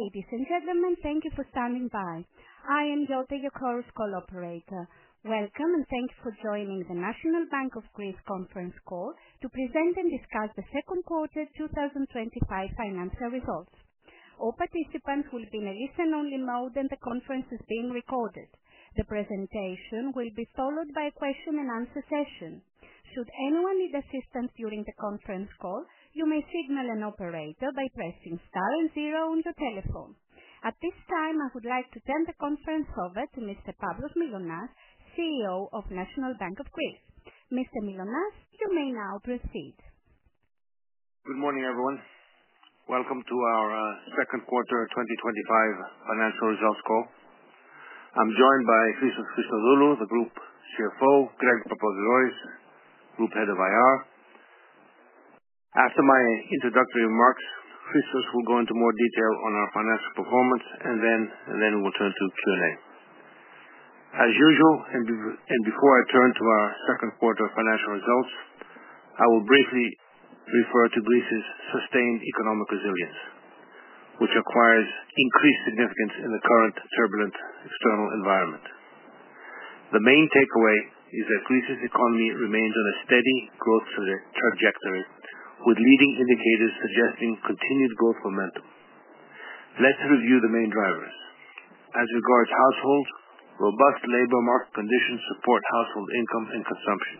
Ladies and gentlemen, thank you for standing by. I am Jota, your Chorus Call operator. Welcome, and thank you for joining the National Bank of Greece conference call to present and discuss the second quarter 2025 financial results. All participants will be in a listen-only mode, and the conference is being recorded. The presentation will be followed by a question and answer session. Should anyone need assistance during the conference call, you may signal an operator by pressing star and zero on the telephone. At this time, I would like to turn the conference over to Mr. Pavlos Mylonas, CEO of National Bank of Greece. Mr. Mylonas, you may now proceed. Good morning, everyone. Welcome to our second quarter 2025 financial results call. I'm joined by Christos Christodoulou, the Group CFO, and Greg Papagrigoris, Group Head of IR. After my introductory remarks, Christos will go into more detail on our financial performance, and then we'll turn to Q&A. As usual, before I turn to our second quarter financial results, I will briefly refer to Greece's sustained economic resilience, which acquires increased significance in the current turbulent external environment. The main takeaway is that Greece's economy remains on a steady growth trajectory, with leading indicators suggesting continued growth momentum. Let's review the main drivers. As regards households, robust labor market conditions support household income and consumption.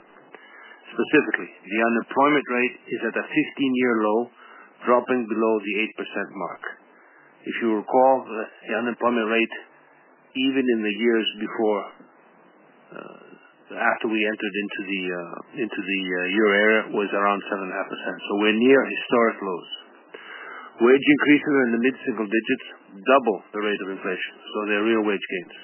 Specifically, the unemployment rate is at a 15-year low, dropping below the 8% mark. If you recall, the unemployment rate, even in the years before, after we entered into the Euro era, was around 7.5%, so we're near historic lows. Wage increases are in the mid-single digits, double the rate of inflation, so they're real wage gains.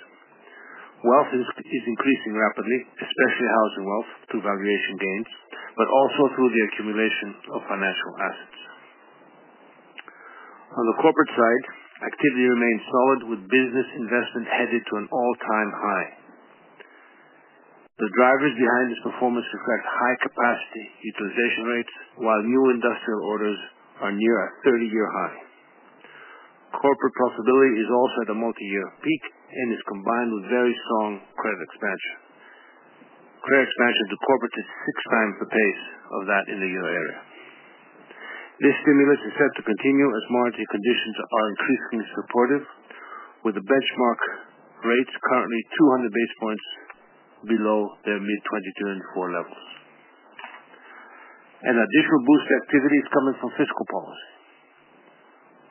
Wealth is increasing rapidly, especially housing wealth through valuation gains, but also through the accumulation of financial assets. On the corporate side, activity remains solid, with business investment headed to an all-time high. The drivers behind this performance reflect high capacity utilization rates, while new industrial orders are near a 30-year high. Corporate profitability is also at a multi-year peak and is combined with very strong credit expansion. Credit expansion to corporate is six times the pace of that in the Euro area. This stimulus is set to continue as monetary conditions are increasingly supportive, with the benchmark rates currently 200 basis points below their mid-2024 levels. An additional boost to activity is coming from fiscal policy.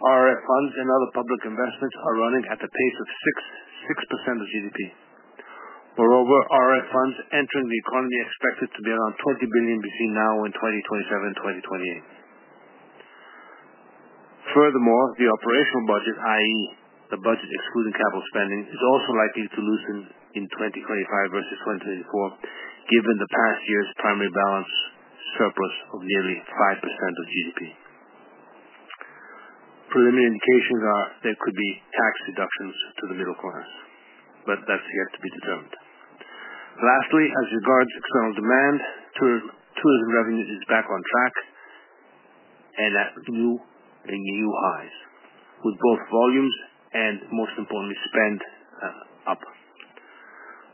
RRF funds and other public investments are running at the pace of 6% of GDP. Moreover, RRF funds entering the economy are expected to be around 20 billion between now and 2027, 2028. Furthermore, the operational budget, i.e., the budget excluding capital spending, is also likely to loosen in 2025 versus 2024, given the past year's primary balance surplus of nearly 5% of GDP. Preliminary indications are there could be tax deductions to the middle class, but that's yet to be determined. Lastly, as regards external demand, tourism revenue is back on track and at new. Highs, with both volumes and, most importantly, spend up.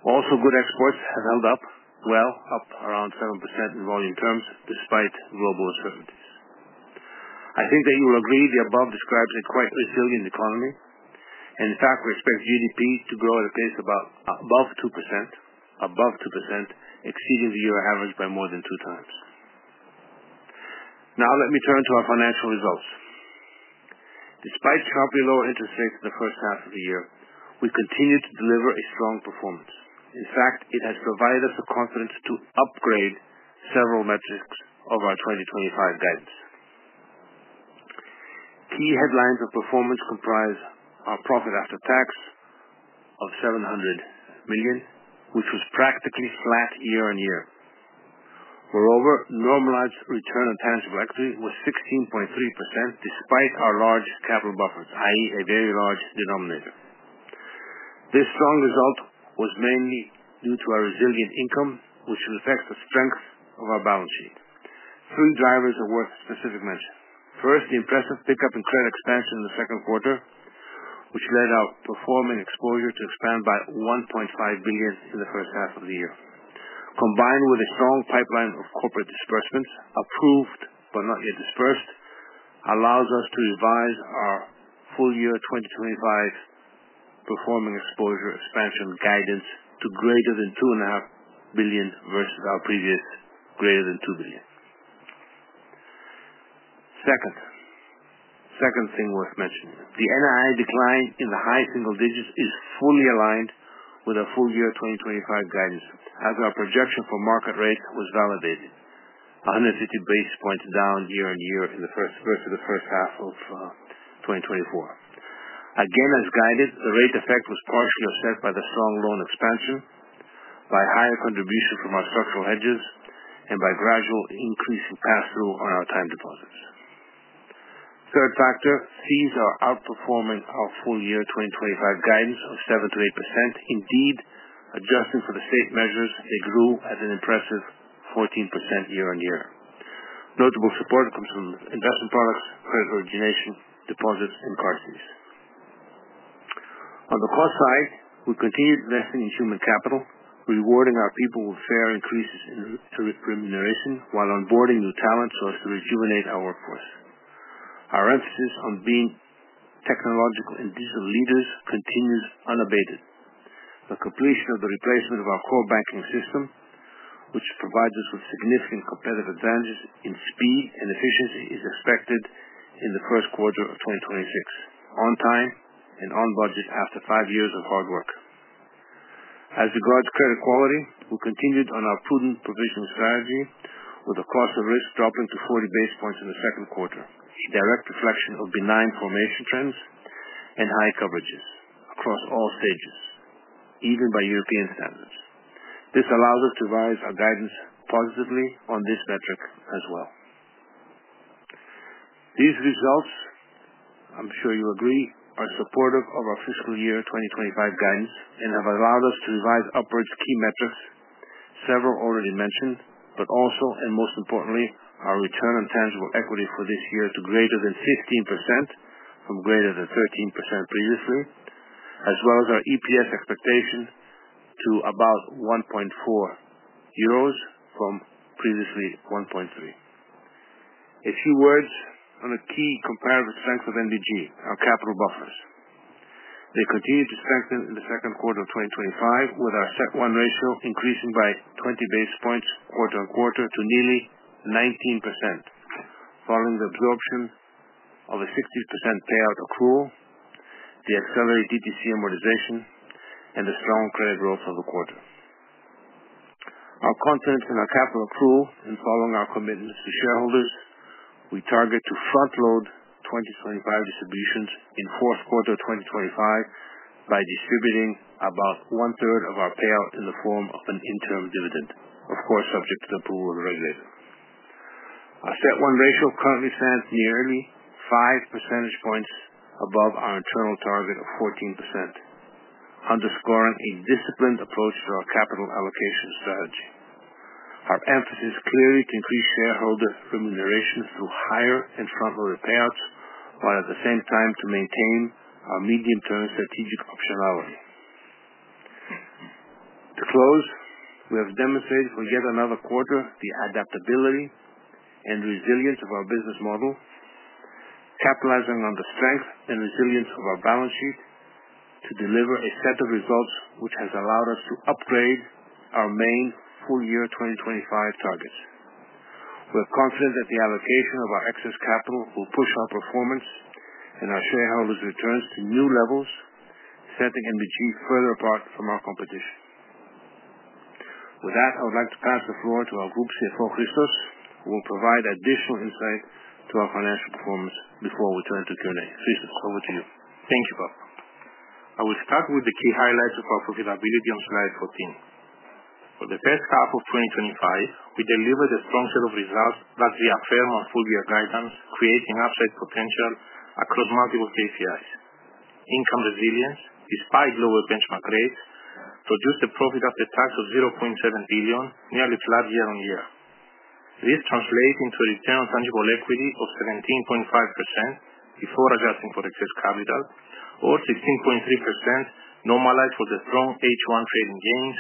Also, good exports have held up well, up around 7% in volume terms, despite global uncertainties. I think that you will agree the above describes a quite resilient economy, and in fact, we expect GDP to grow at a pace above 2%, exceeding the year average by more than 2x. Now, let me turn to our financial results. Despite sharply lower interest rates in the first half of the year, we continue to deliver a strong performance. In fact, it has provided us the confidence to upgrade several metrics of our 2025 guidance. Key headlines of performance comprise our profit after tax of 700 million, which was practically flat year-on-year. Moreover, normalized return on tangible equity was 16.3% despite our large capital buffers, i.e., a very large denominator. This strong result was mainly due to our resilient income, which reflects the strength of our balance sheet. Three drivers are worth specific mention. First, the impressive pickup in credit expansion in the second quarter, which led our performing exposure to expand by 1.5 billion in the first half of the year. Combined with a strong pipeline of corporate disbursements, approved but not yet disbursed, allows us to revise our full-year 2025 performing exposure expansion guidance to greater than 2.5 billion versus our previous greater than 2 billion. Second thing worth mentioning, the NII decline in the high single digits is fully aligned with our full-year 2025 guidance, as our projection for market rates was validated. 150 basis points down year-on-year versus the first half of 2024. Again, as guided, the rate effect was partially offset by the strong loan expansion, by higher contributions from our structural hedges, and by gradual increasing pass-through on our time deposits. Third factor, fees are outperforming our full-year 2025 guidance of 7%-8%. Indeed, adjusting for the state measures, they grew at an impressive 14% year-on-year. Notable support comes from investment products, credit origination, deposits, and custodies. On the cost side, we continued investing in human capital, rewarding our people with fair increases in remuneration, while onboarding new talent so as to rejuvenate our workforce. Our emphasis on being technological and digital leaders continues unabated. The completion of the replacement of our core banking system, which provides us with significant competitive advantages in speed and efficiency, is expected in the first quarter of 2026, on time and on budget after five years of hard work. As regards credit quality, we continued on our prudent provisional strategy, with the cost of risk dropping to 40 basis points in the second quarter, a direct reflection of benign formation trends and high coverages across all stages, even by European standards. This allows us to revise our guidance positively on this metric as well. These results, I'm sure you agree, are supportive of our fiscal year 2025 guidance and have allowed us to revise upwards key metrics, several already mentioned, but also, and most importantly, our return on tangible equity for this year to greater than 15% from greater than 13% previously, as well as our EPS expectation to about 1.4 euros from previously 1.3. A few words on a key comparative strength of NBG, our capital buffers. They continue to strengthen in the second quarter of 2025, with our CET1 ratio increasing by 20 basis points quarter on quarter to nearly 19%, following the absorption of a 60% payout accrual, the accelerated DTC amortization, and the strong credit growth of the quarter. Our confidence in our capital accrual and following our commitments to shareholders, we target to front-load 2025 distributions in the fourth quarter of 2025 by distributing about 1/3 of our payout in the form of an interim dividend, of course subject to the approval of the regulator. Our CET1 ratio currently stands nearly 5 percentage points above our internal target of 14%, underscoring a disciplined approach to our capital allocation strategy. Our emphasis is clearly to increase shareholder remuneration through higher and front-loaded payouts, while at the same time to maintain our medium-term strategic optionality. To close, we have demonstrated for yet another quarter the adaptability and resilience of our business model, capitalizing on the strength and resilience of our balance sheet to deliver a set of results which has allowed us to upgrade our main full-year 2025 targets. We're confident that the allocation of our excess capital will push our performance and our shareholders' returns to new levels, setting NBG further apart from our competition. With that, I would like to pass the floor to our Group CFO, Christos, who will provide additional insight to our financial performance before we turn to Q&A. Christos, over to you. Thank you, Pavlos. I will start with the key highlights of our profitability on slide 14. For the first half of 2025, we delivered a strong set of results that reaffirm our full-year guidance, creating upside potential across multiple KPIs. Income resilience, despite lower benchmark rates, produced a profit after tax of 700, 000 million, nearly flat year-on-year. This translates into a return on tangible equity of 17.5% before adjusting for excess capital, or 16.3% normalized for the strong H1 trading gains,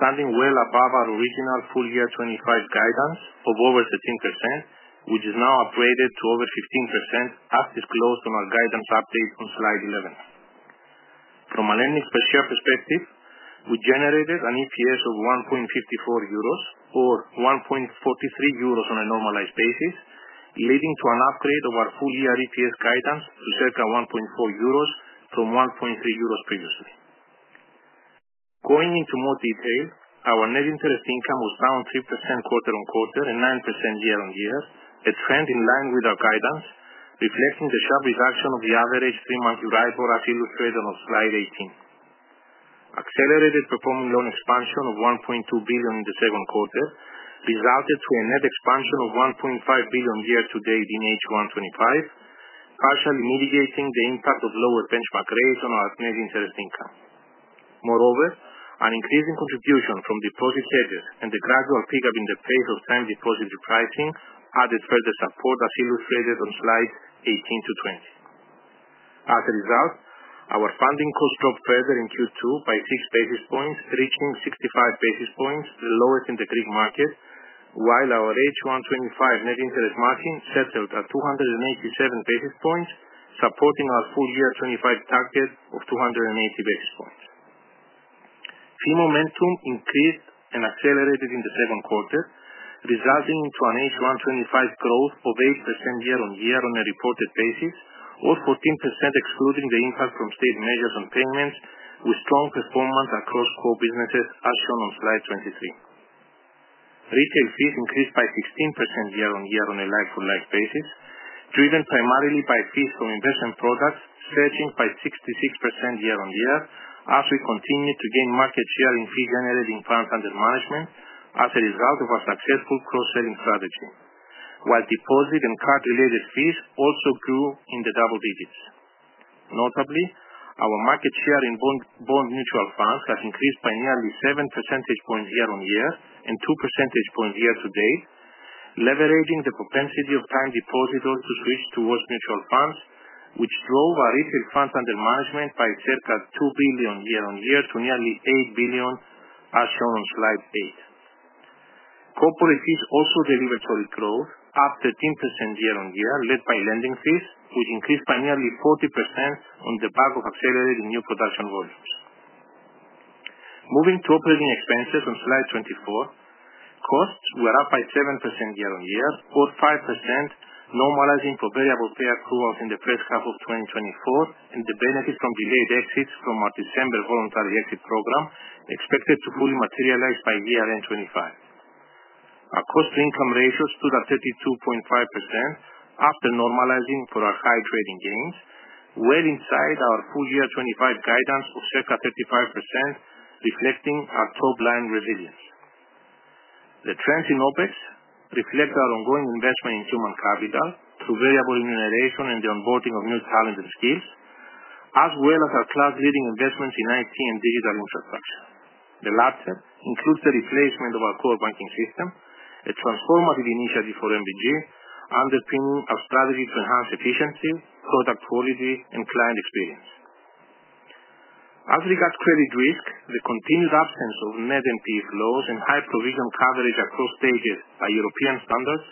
standing well above our original full-year 2025 guidance of over 13%, which is now upgraded to over 15% as disclosed on our guidance update on slide 11. From a lending per share perspective, we generated an EPS of 1.54 euros, or 1.43 euros on a normalized basis, leading to an upgrade of our full-year EPS guidance to circa 1.4 euros from 1.3 euros previously. Going into more detail, our net interest income was down 3% quarter on quarter and 9% year-on-year, a trend in line with our guidance, reflecting the sharp reduction of the average three-month Euribor, as illustrated on slide 18. Accelerated performing loan expansion of 1.2 billion in the second quarter resulted in a net expansion of 1.5 billion year-to-date in H1 2025, partially mitigating the impact of lower benchmark rates on our net interest income. Moreover, an increasing contribution from deposit hedges and the gradual pickup in the pace of time deposit repricing added further support, as illustrated on slides 18 to 20. As a result, our funding cost dropped further in Q2 by 6 basis points, reaching 65 basis points, the lowest in the Greek market, while our H1 2025 net interest margin settled at 287 basis points, supporting our full-year 2025 target of 280 basis points. Fee income momentum increased and accelerated in the second quarter, resulting in an H1 2025 growth of 8% year-on-year on a reported basis, or 14% excluding the impact from state measures on payments, with strong performance across core businesses, as shown on slide 23. Retail fees increased by 16% year-on-year on a lag-for-lag basis, driven primarily by fees from investment products, surging by 66% year-on-year, as we continued to gain market share in fee-generating funds under management as a result of our successful cross-selling strategy, while deposit and card-related fees also grew in the double digits. Notably, our market share in bond mutual funds has increased by nearly 7 percentage points year-on-year and 2 percentage points year-to-date, leveraging the propensity of time depositors to switch towards mutual funds, which drove our retail funds under management by circa 2 billion year-on-year to nearly 8 billion, as shown on slide 8. Corporate fees also delivered solid growth, up 13% year-on-year, led by lending fees, which increased by nearly 40% on the back of accelerating new production volumes. Moving to operating expenses on slide 24, costs were up by 7% year-on-year, or 5% normalizing for variable payout growth in the first half of 2024, and the benefit from delayed exits from our December voluntary exit program, expected to fully materialize by year-end 2025. Our cost-to-income ratio stood at 32.5% after normalizing for our high trading gains, well inside our full-year 2025 guidance of circa 35%, reflecting our top-line resilience. The trends in OpEx reflect our ongoing investment in human capital through variable remuneration and the onboarding of new talent and skills, as well as our cloud-leading investments in IT and digital infrastructure. The latter includes the replacement of our core banking system, a transformative initiative for NBG, underpinning our strategy to enhance efficiency, product quality, and client experience. As regards credit risk, the continued absence of net non-performing exposures and high provision coverage across stages by European standards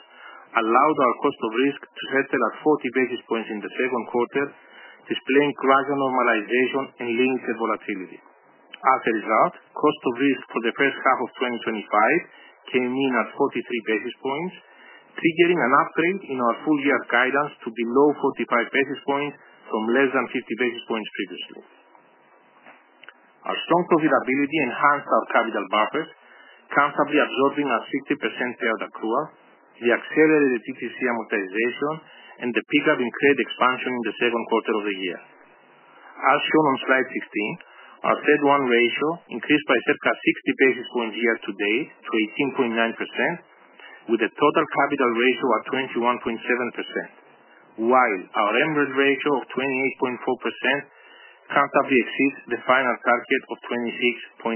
allowed our cost of risk to settle at 40 basis points in the second quarter, displaying gradual normalization and limited volatility. As a result, cost of risk for the first half of 2025 came in at 43 basis points, triggering an upgrade in our full-year guidance to below 45 basis points from less than 50 basis points previously. Our strong profitability enhanced our capital buffers, comfortably absorbing our 60% payout accrual, the accelerated DTC amortization, and the pickup in credit expansion in the second quarter of the year. As shown on slide 16, our CET1 ratio increased by circa 60 basis points year-to-date to 18.9%, with a total capital ratio at 21.7%. While our Emerald ratio of 28.4% comfortably exceeds the final target of 26.8%.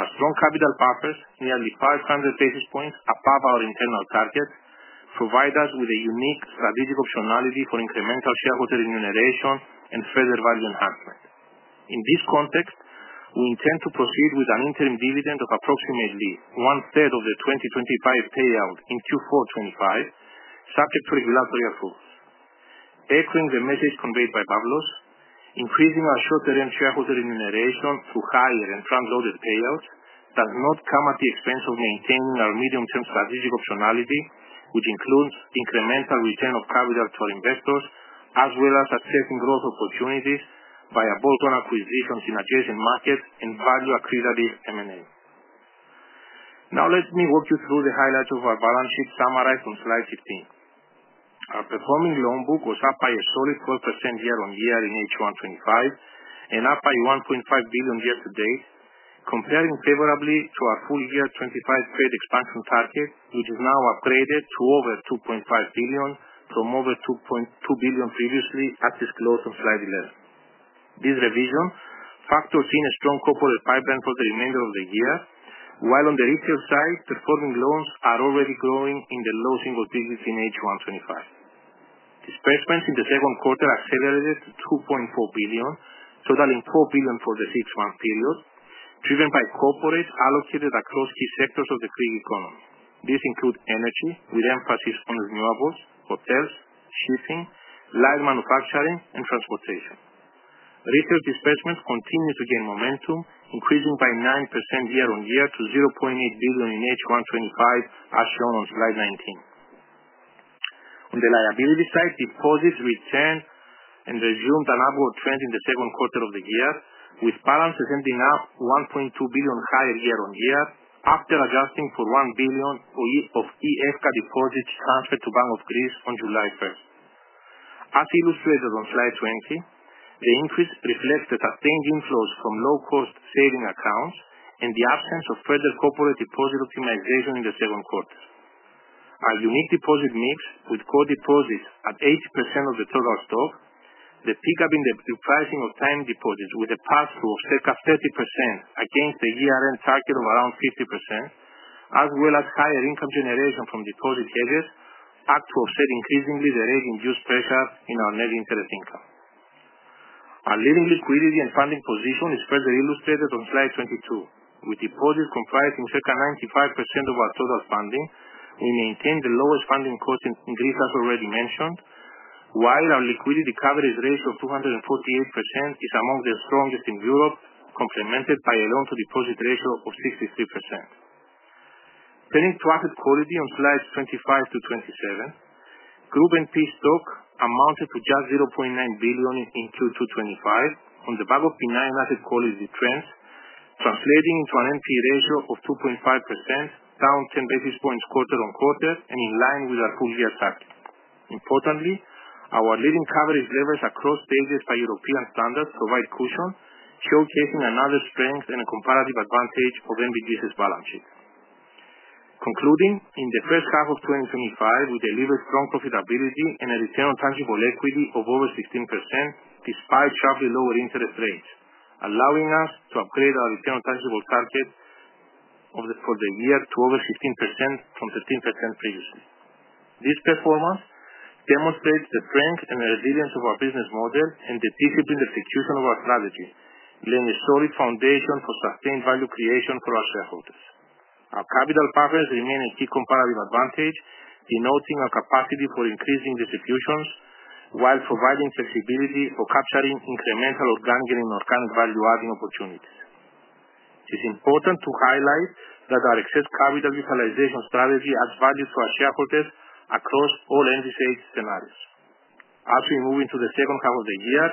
Our strong capital buffers, nearly 500 basis points above our internal target, provide us with a unique strategic optionality for incremental shareholder remuneration and further value enhancement. In this context, we intend to proceed with an interim dividend of approximately 1/3 of the 2025 payout in Q4 2025, subject to regulatory approvals. Echoing the message conveyed by Pavlos, increasing our short-term shareholder remuneration through higher and front-loaded payouts does not come at the expense of maintaining our medium-term strategic optionality, which includes incremental return of capital to our investors, as well as accessing growth opportunities via bolt-on acquisitions in adjacent markets and value-accretive M&A. Now, let me walk you through the highlights of our balance sheet summarized on slide 15. Our performing loan book was up by a solid 12% year-on-year in H1 2025 and up by 1.5 billion year-to-date, comparing favorably to our full-year 2025 credit expansion target, which is now upgraded to over 2.5 billion from over 2.2 billion previously, as disclosed on slide 11. This revision factors in a strong corporate pipeline for the remainder of the year, while on the retail side, performing loans are already growing in the low single digits in H1 2025. Disbursements in the second quarter accelerated to 2.4 billion, totaling 4 billion for the six-month period, driven by corporate allocated across key sectors of the Greek economy. These include energy, with emphasis on renewables, hotels, shipping, light manufacturing, and transportation. Retail disbursements continue to gain momentum, increasing by 9% year-on-year to 800, 000 million in H1 2025, as shown on slide 19. On the liability side, deposits returned and resumed an upward trend in the second quarter of the year, with balance ascending up 1.2 billion higher year-on-year, after adjusting for 1 billion of EFCA deposits transferred to Bank of Greece on July 1st. As illustrated on slide 20, the increase reflects the sustained inflows from low-cost saving accounts and the absence of further corporate deposit optimization in the second quarter. Our unique deposit mix, with core deposits at 80% of the total stock, the pickup in the repricing of time deposits with a path through of circa 30% against the year-end target of around 50%, as well as higher income generation from deposit hedges, act to offset increasingly the rate-induced pressure in our net interest income. Our living liquidity and funding position is further illustrated on slide 22. With deposits comprising circa 95% of our total funding, we maintain the lowest funding cost in Greece, as already mentioned, while our liquidity coverage ratio of 248% is among the strongest in Europe, complemented by a loan-to-deposit ratio of 63%. Turning to asset quality on slides 25 to 27. Group NP stock amounted to just 900, 000 million in Q2 2025, on the back of benign asset quality trends, translating into an NP ratio of 2.5%, down 10 basis points quarter on quarter, and in line with our full-year target. Importantly, our living coverage levels across stages by European standards provide cushion, showcasing another strength and a comparative advantage of NBG's balance sheet. Concluding, in the first half of 2025, we delivered strong profitability and a return on tangible equity of over 16%, despite sharply lower interest rates, allowing us to upgrade our return on tangible target for the year to over 16% from 13% previously. This performance demonstrates the strength and resilience of our business model and the disciplined execution of our strategy, laying a solid foundation for sustained value creation for our shareholders. Our capital buffers remain a key comparative advantage, denoting our capacity for increasing distributions while providing flexibility for capturing incremental organic value-adding opportunities. It is important to highlight that our excess capital utilization strategy adds value to our shareholders across all NBG scenarios. As we move into the second half of the year,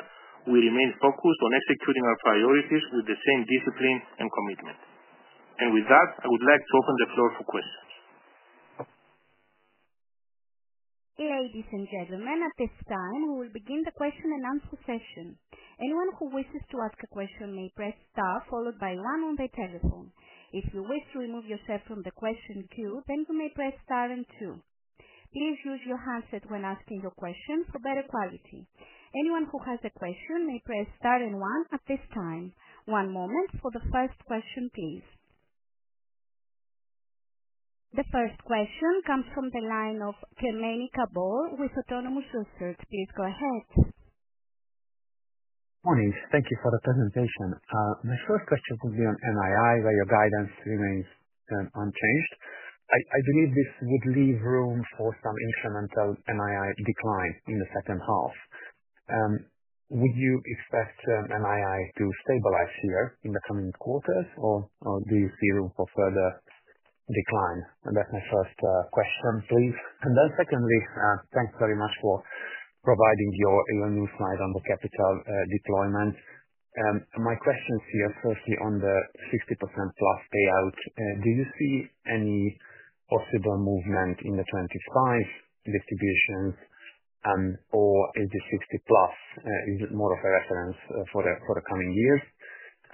we remain focused on executing our priorities with the same discipline and commitment. With that, I would like to open the floor for questions. Ladies and gentlemen, at this time, we will begin the question and answer session. Anyone who wishes to ask a question may press star followed by one on their telephone. If you wish to remove yourself from the question queue, you may press star and two. Please use your handset when asking your question for better quality. Anyone who has a question may press star and one at this time. One moment for the first question, please. The first question comes from the line of Kemeny Gabor with Autonomous Research. Please go ahead. Morning. Thank you for the presentation. My first question would be on NII, where your guidance remains unchanged. I believe this would leave room for some incremental NII decline in the second half. Would you expect NII to stabilize here in the coming quarters, or do you see room for further decline? That's my first question, please. Secondly, thanks very much for providing your new slide on the capital deployment. My question is here, firstly, on the 60%+ payout. Do you see any possible movement in the 2025 distributions, or is the 60%+ more of a reference for the coming years?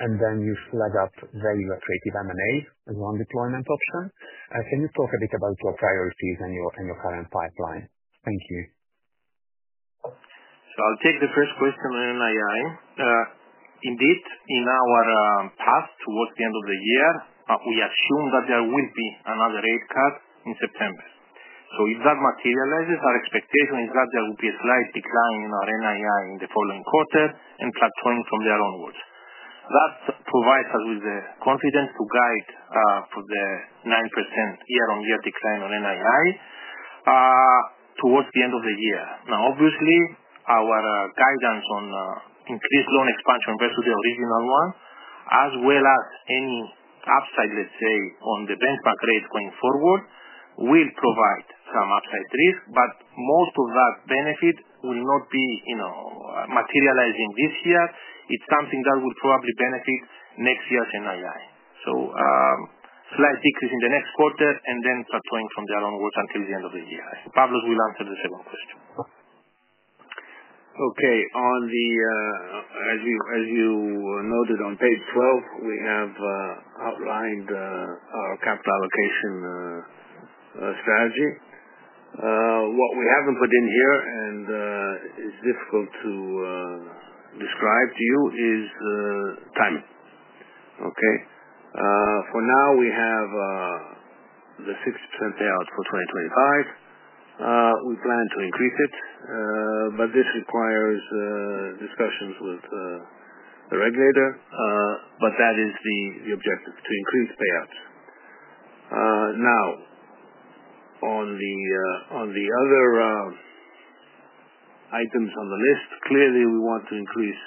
You flagged up value-accretive M&A as one deployment option. Can you talk a bit about your priorities and your current pipeline? Thank you. I'll take the first question on NII. Indeed, in our past towards the end of the year, we assumed that there would be another rate cut in September. If that materializes, our expectation is that there will be a slight decline in our NII in the following quarter and plateauing from there onwards. That provides us with the confidence to guide for the 9% year-on-year decline on NII towards the end of the year. Obviously, our guidance on increased loan expansion versus the original one, as well as any upside, let's say, on the benchmark rate going forward, will provide some upside risk, but most of that benefit will not be materializing this year. It's something that will probably benefit next year's NII. Slight decrease in the next quarter and then plateauing from there onwards until the end of the year. Pavlos will answer the second question. Okay. As you noted on page 12, we have outlined our capital allocation strategy. What we haven't put in here and is difficult to describe to you is timing. For now, we have the 60% payout for 2025. We plan to increase it, but this requires discussions with the regulator. That is the objective, to increase payouts. On the other items on the list, clearly, we want to increase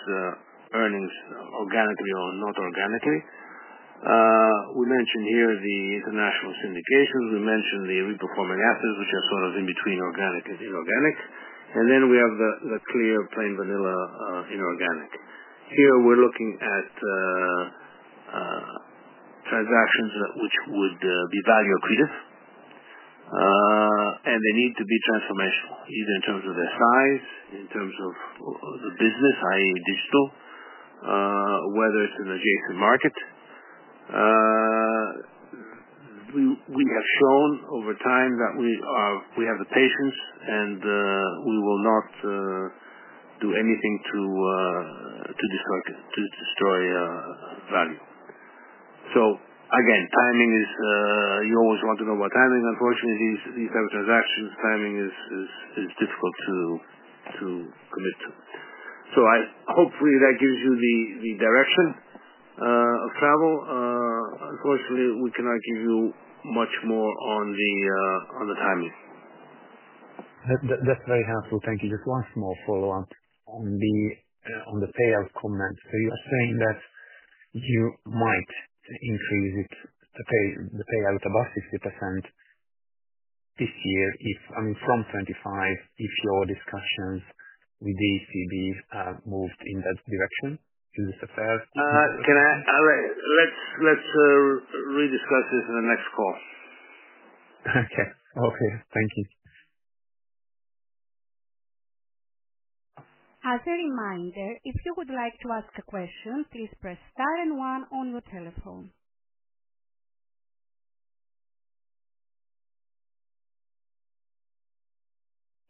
earnings organically or not organically. We mentioned here the international syndications. We mentioned the reperforming assets, which are sort of in between organic and inorganic. Then we have the clear, plain vanilla inorganic. Here, we're looking at transactions which would be value-accretive, and they need to be transformational, either in terms of their size, in terms of the business, i.e., digital, whether it's an adjacent market. We have shown over time that we have the patience, and we will not do anything to destroy value. Timing is you always want to know about timing. Unfortunately, these type of transactions, timing is difficult to commit to. Hopefully, that gives you the direction of travel. Unfortunately, we cannot give you much more on the timing. That's very helpful. Thank you. Just one small follow-up on the payout comment. You are saying that you might increase the payout above 60% this year, I mean, from 25%, if your discussions with the ECB moved in that direction. Is this fair? All right. Let's rediscuss this in the next call. Okay. Thank you. As a reminder, if you would like to ask a question, please press star and one on your telephone.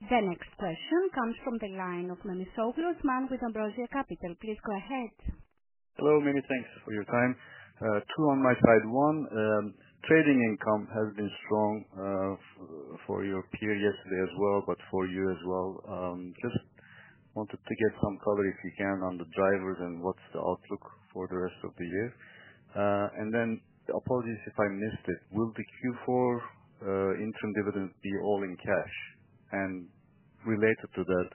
The next question comes from the line of Memisoglu Osman, with Ambrosia Capital. Please go ahead. Hello. Many thanks for your time. Two on my side. One, trading income has been strong for your peer yesterday as well, but for you as well. Just wanted to get some color, if you can, on the drivers and what's the outlook for the rest of the year. Apologies if I missed it. Will the Q4 interim dividend be all in cash? Related to that,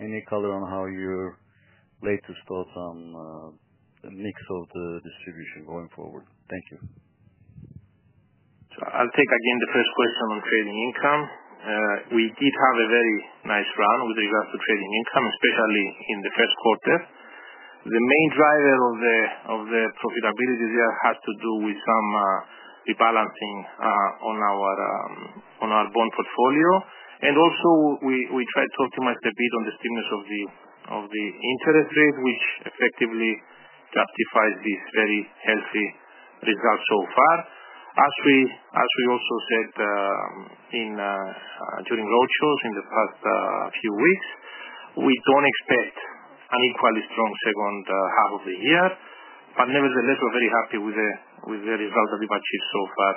any color on how your latest thoughts on the mix of the distribution going forward? Thank you. I'll take again the first question on trading income. We did have a very nice run with regards to trading income, especially in the first quarter. The main driver of the profitability there has to do with some rebalancing on our bond portfolio, and also, we tried to optimize a bit on the stiffness of the interest rate, which effectively justifies these very healthy results so far. As we also said during roadshows in the past few weeks, we don't expect an equally strong second half of the year, but nevertheless, we're very happy with the result that we've achieved so far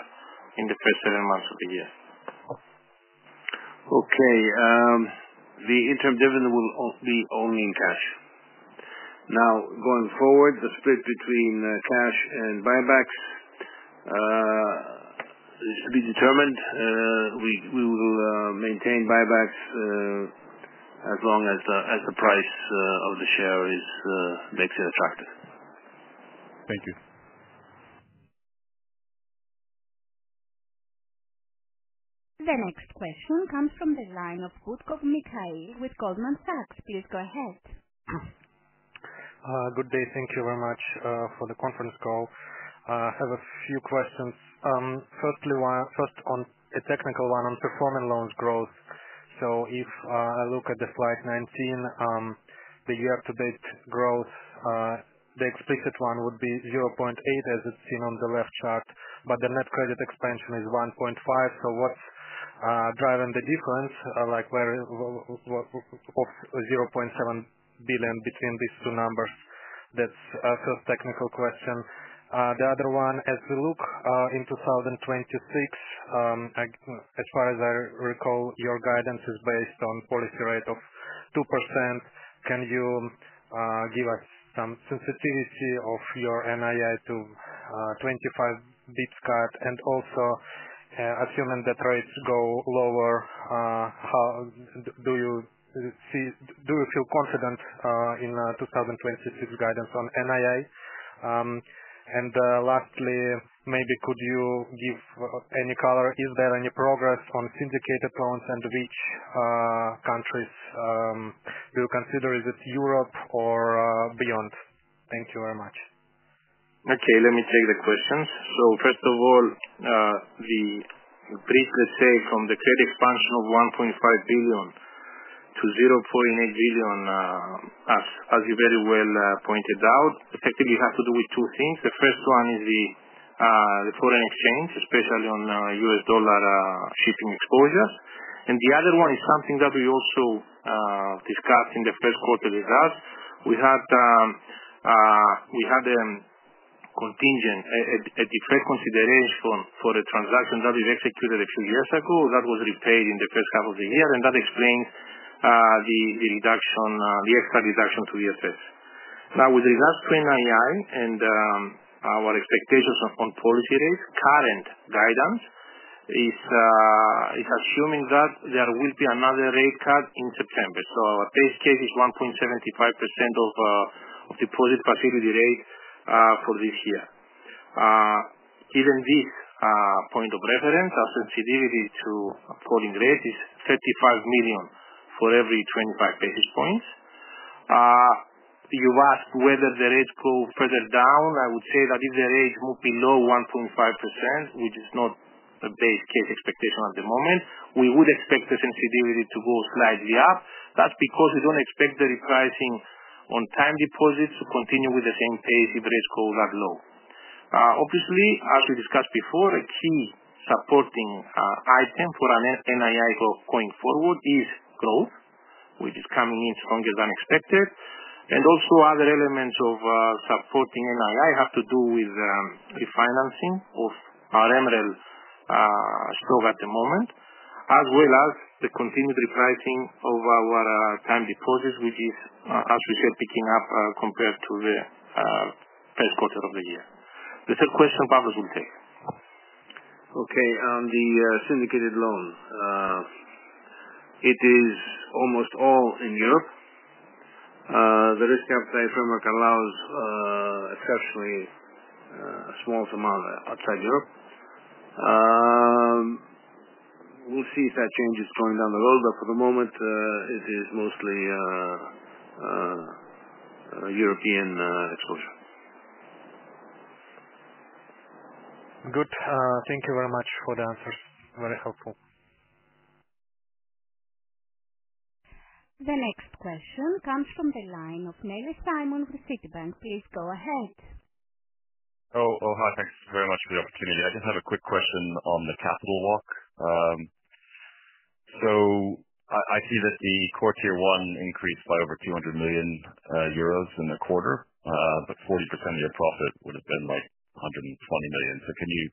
in the first seven months of the year. Okay. The interim dividend will be only in cash. Now, going forward, the split between cash and buybacks is to be determined. We will maintain buybacks as long as the price of the share makes it attractive. Thank you. The next question comes from the line of Butkov Mikhail with Goldman Sachs. Please go ahead. Good day. Thank you very much for the conference call. I have a few questions. First on a technical one, on performing loans growth. If I look at slide 19, the year-to-date growth, the explicit one would be 800, 000 million, as it's seen on the left chart, but the net credit expansion is 1.5 billion. What's driving the difference of 700, 000 million between these two numbers? That's our first technical question. The other one, as we look in 2026, as far as I recall, your guidance is based on policy rate of 2%. Can you give us some sensitivity of your NII to 25 bps cut? Also, assuming that rates go lower, do you feel confident in 2026 guidance on NII? Lastly, maybe could you give any color? Is there any progress on syndicated loans, and which countries do you consider? Is it Europe or beyond? Thank you very much. Okay. Let me take the questions. First of all, the brief, let's say, from the credit expansion of 1.5 billion to 800, 000 million, as you very well pointed out, effectively, it has to do with two things. The first one is the foreign exchange, especially on U.S. dollar shipping exposures. The other one is something that we also discussed in the first quarter with us. We had a contingent, a default consideration for a transaction that we've executed a few years ago that was repaid in the first half of the year, and that explains the extra reduction to FX. Now, with regards to NII and our expectations on policy rates, current guidance is assuming that there will be another rate cut in September. Our base case is 1.75% of deposit facility rate for this year. Given this point of reference, our sensitivity to falling rates is 35 million for every 25 basis points. You've asked whether the rates go further down. I would say that if the rates move below 1.5%, which is not a base case expectation at the moment, we would expect the sensitivity to go slightly up. That's because we don't expect the repricing on time deposits to continue with the same pace if rates go that low. Obviously, as we discussed before, a key supporting item for NII going forward is growth, which is coming in stronger than expected. Also, other elements of supporting NII have to do with refinancing of our Emeril stroke at the moment, as well as the continued repricing of our time deposits, which is, as we said, picking up compared to the first quarter of the year. The third question, Pavlos will take. Okay. On the syndicated loan, it is almost all in Europe. The risk appetite framework allows, exceptionally, a small amount outside Europe. We'll see if that changes going down the road, but for the moment, it is mostly European exposure. Good. Thank you very much for the answers. Very helpful. The next question comes from the line of Nelly Simon with Citibank. Please go ahead. Oh, hi. Thanks very much for the opportunity. I just have a quick question on the capital walk. I see that the CET1 increased by over 200 million euros in the quarter, but 40% of your profit would have been like 120 million. Can you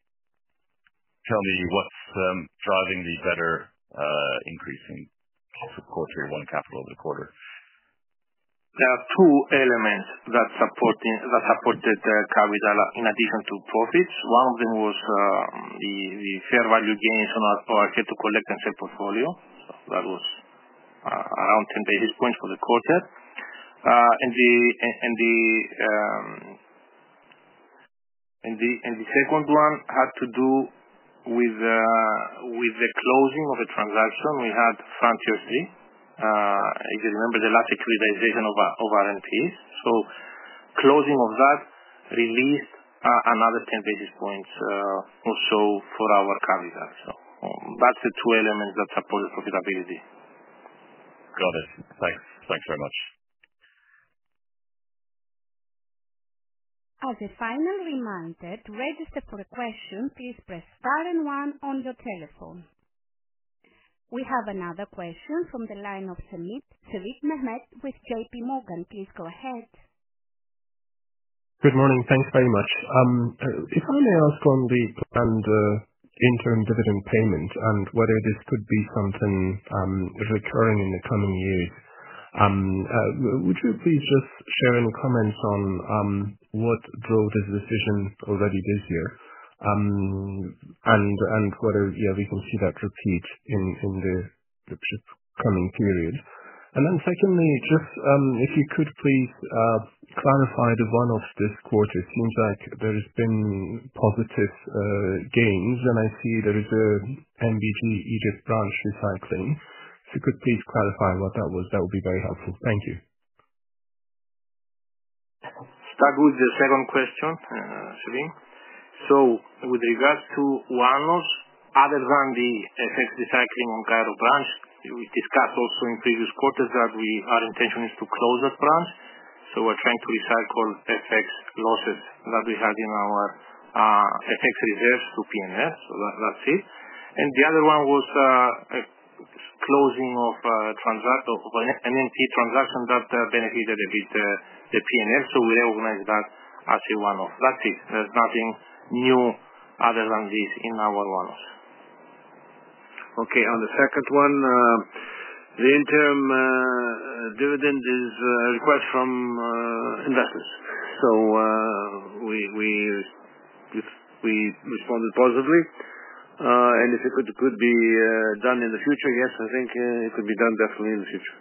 tell me what's driving the better increase in CET1 capital over the quarter? There are two elements that supported the capital in addition to profits. One of them was the fair value gains on our held-to-collect and sell portfolio. That was around 10 basis points for the quarter. The second one had to do with the closing of a transaction. We had Frontier 3, if you remember, the last securitization of our NPEs. Closing of that released another 10 basis points or so for our capital. That's the two elements that supported profitability. Got it. Thanks. Thanks very much. As a final reminder, to register for a question, please press star and one on your telephone. We have another question from the line of Mehmet Sevim with JPMorgan. Please go ahead. Good morning. Thanks very much. If I may ask on the planned interim dividend payment and whether this could be something recurring in the coming years, would you please just share any comments on what drove this decision already this year and whether we can see that repeat in the coming period? Secondly, just if you could please clarify the one-off this quarter. It seems like there have been positive gains, and I see there is an NBG Egypt branch recycling. If you could please clarify what that was, that would be very helpful. Thank you. Start with the second question, Sevim. With regards to one-offs, other than the FX recycling on Cairo branch, we discussed also in previous quarters that we are intentionally to close that branch. We're trying to recycle FX losses that we had in our FX reserves to P&L. That's it. The other one was closing of an NPE transaction that benefited a bit the P&L. We recognize that as a one-off. That's it. There's nothing new other than this in our one-offs. Okay. On the second one, the interim dividend is a request from investors. We responded positively, and if it could be done in the future, yes, I think it could be done definitely in the future.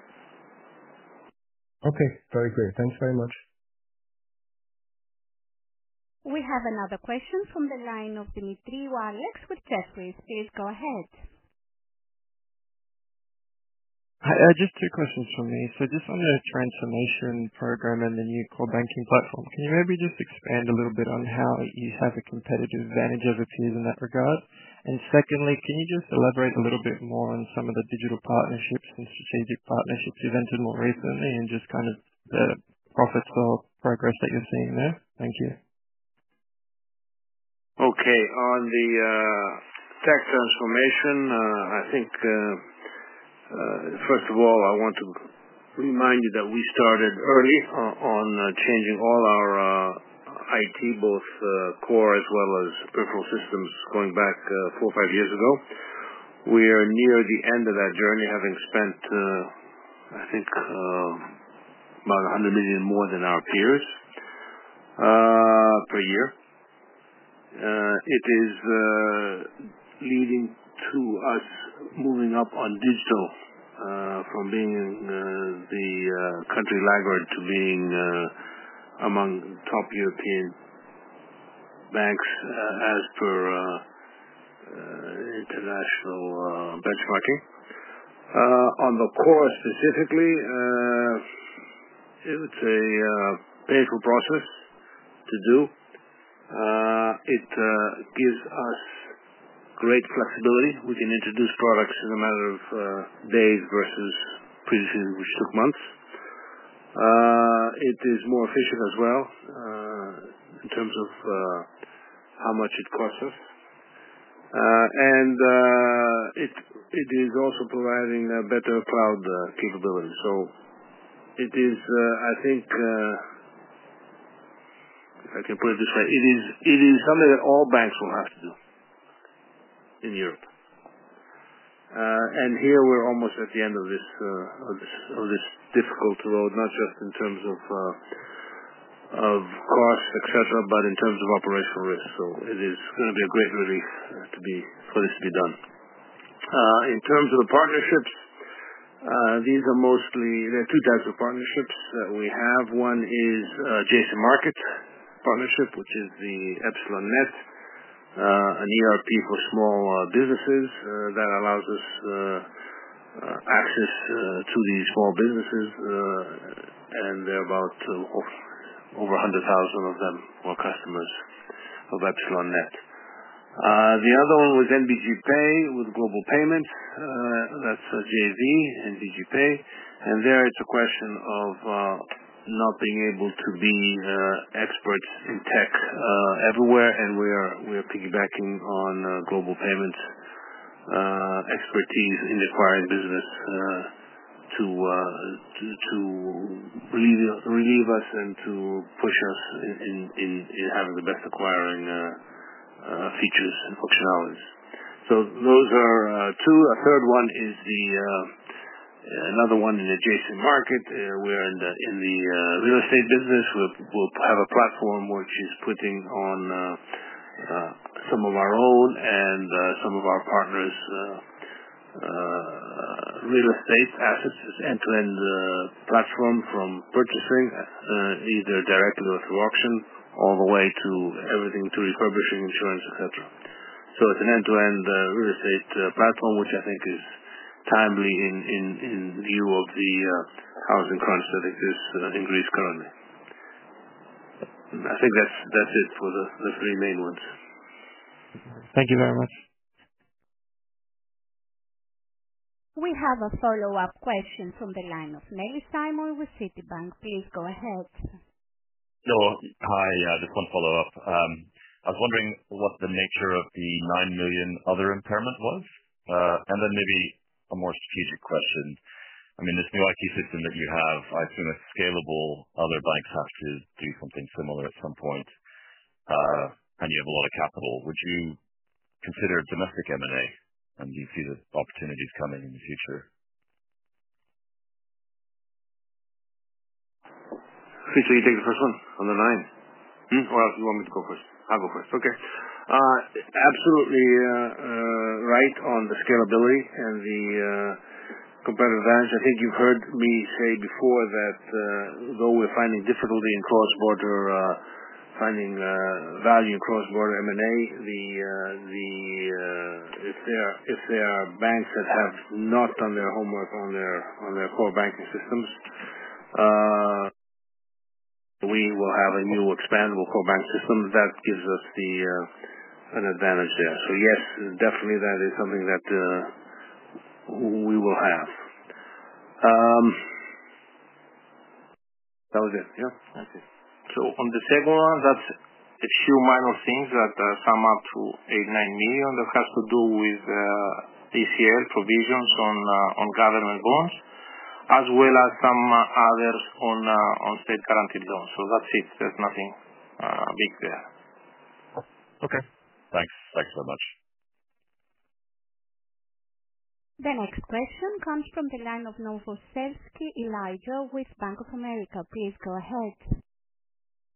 Okay, very good. Thanks very much. We have another question from the line of Demetriou Alex, with Jefferies. Please go ahead. Just two questions from me. On the transformation program and the new core banking platform, can you maybe just expand a little bit on how you have a competitive advantage over peers in that regard? Secondly, can you just elaborate a little bit more on some of the digital partnerships and strategic partnerships you've entered more recently and just kind of the profits or progress that you're seeing there? Thank you. Okay. On the tech transformation, I think, first of all, I want to remind you that we started early on changing all our IT, both core as well as peripheral systems, going back four or five years ago. We are near the end of that journey, having spent, I think, about 100 million more than our peers per year. It is leading to us moving up on digital from being the country laggard to being among top European banks as per international benchmarking. On the core specifically, it's a painful process to do. It gives us great flexibility. We can introduce products in a matter of days versus previously, which took months. It is more efficient as well in terms of how much it costs us, and it is also providing better cloud capability. I think, if I can put it this way, it is something that all banks will have to do in Europe. Here, we're almost at the end of this difficult road, not just in terms of costs, et cetera, but in terms of operational risk. It is going to be a great relief for this to be done. In terms of the partnerships, there are mostly two types of partnerships that we have. One is Jason Market Partnership, which is the EPSILON NET, an ERP for small businesses that allows us access to these small businesses. There are about over 100,000 of them who are customers of EPSILON NET. The other one was NBG Pay with Global Payments. That's JV, NBG Pay. There, it's a question of not being able to be experts in tech everywhere, and we are piggybacking on Global Payments' expertise in acquiring business to relieve us and to push us in having the best acquiring features and functionalities. Those are two. A third one is another one in the Jason Market. We're in the real estate business. We'll have a platform which is putting on some of our own and some of our partners' real estate assets, an end-to-end platform from purchasing either directly or through auction all the way to everything to refurbishing, insurance, et cetera. It's an end-to-end real estate platform, which I think is timely in view of the housing crisis that exists in Greece currently. I think that's it for the three main ones. Thank you very much. We have a follow-up question from the line of Nelly Simon with Citibank. Please go ahead. Hello. Hi. Just one follow-up. I was wondering what the nature of the 9 million other impairment was. Maybe a more strategic question. I mean, this new IT system that you have, I assume it's scalable. Other banks have to do something similar at some point. You have a lot of capital. Would you consider domestic M&A? Do you see the opportunities coming in the future? Chris, you take the first one on the line. Or else you want me to go first? I'll go first. Okay. Absolutely. Right on the scalability and the competitive advantage. I think you've heard me say before that, though we're finding difficulty in cross-border, finding value in cross-border M&A, if there are banks that have not done their homework on their core banking systems, we will have a new expandable core banking system that gives us an advantage there. Yes, definitely, that is something that we will have. That was it. Okay. On the second one, that's a few minor things that sum up to 8 million, 9 million that has to do with ACL provisions on government bonds, as well as some others on state guaranteed loans. That's it. There's nothing big there. Okay, thanks. Thanks very much. The next question comes from the line of Novosselsky, Ilija with Bank of America. Please go ahead.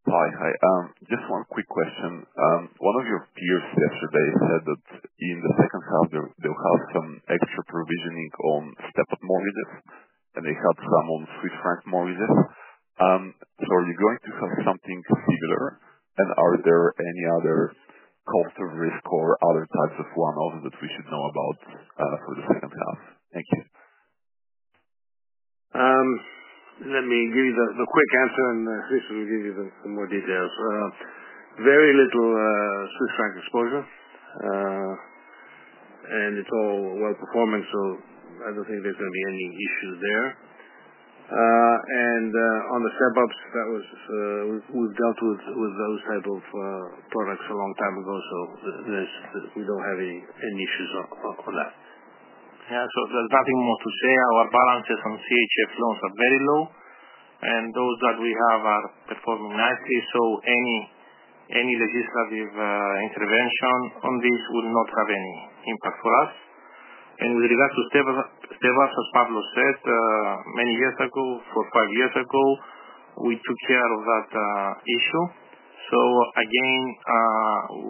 Hi. Just one quick question. One of your peers yesterday said that in the second half, they'll have some extra provisioning on step-up mortgages, and they have some on Swiss franc mortgages. Are you going to have something similar, and are there any other cost of risk or other types of one-offs that we should know about for the second half? Thank you. Let me give you the quick answer. Chris will give you some more details. Very little Swiss franc exposure, and it's all well-performing, so I don't think there's going to be any issue there. On the step-ups, we've dealt with those types of products a long time ago, so we don't have any issues on that. Yeah. There's nothing more to say. Our balances on CHF loans are very low, and those that we have are performing nicely. Any legislative intervention on this will not have any impact for us. With regards to step-ups, as Pavlos said many years ago, four or five years ago, we took care of that issue.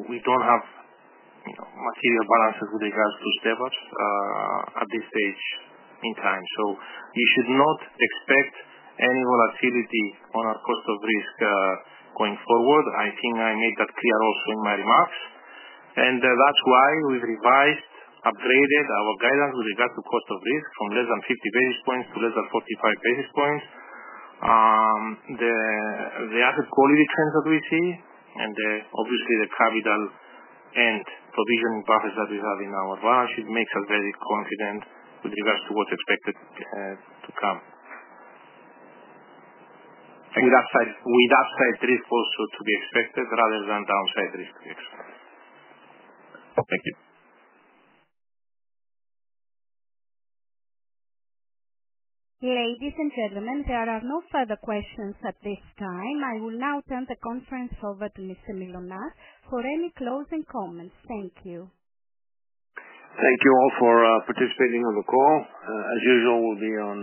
We don't have material balances with regards to step-ups at this stage in time. You should not expect any volatility on our cost of risk going forward. I think I made that clear also in my remarks. That's why we've revised, upgraded our guidance with regards to cost of risk from less than 50 basis points to less than 45 basis points. The asset quality trends that we see, and obviously, the capital and provisioning profits that we have in our balance sheet makes us very confident with regards to what's expected to come, with upside risk also to be expected rather than downside risk to be expected. Thank you. Ladies and gentlemen, there are no further questions at this time. I will now turn the conference over to Mr. Mylonas for any closing comments. Thank you. Thank you all for participating on the call. As usual, we'll be on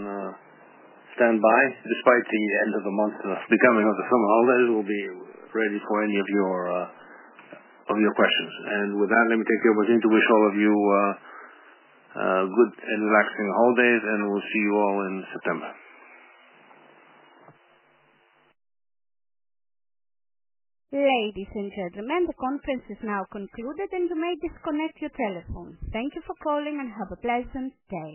standby despite the end of the month becoming the summer holidays. We'll be ready for any of your questions. With that, let me take the opportunity to wish all of you good and relaxing holidays, and we'll see you all in September. Ladies and gentlemen, the conference is now concluded, and you may disconnect your telephone. Thank you for calling, and have a pleasant day.